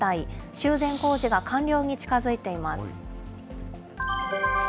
修繕工事が完了に近づいています。